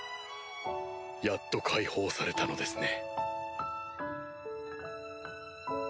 やっと解放されたのですね。